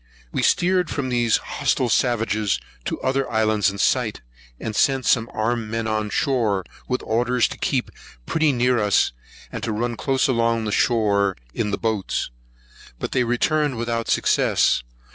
We steered from these hostile savages to other islands in sight, and sent some armed men on shore, with orders to keep pretty near us, and to run close along shore in the boats. But they returned without success.